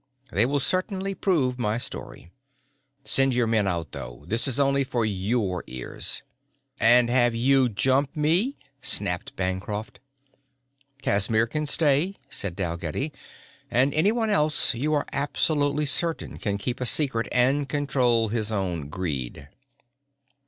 "They will certainly prove my story. Send your men out though. This is only for your ears." "And have you jump me!" snapped Bancroft. "Casimir can stay," said Dalgetty, "and anyone else you are absolutely certain can keep a secret and control his own greed."